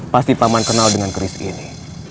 pasti paman kenal dengan keris ini